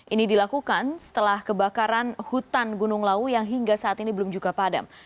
ini dilakukan setelah kebakaran hutan gunung lawu yang hingga saat ini belum juga padam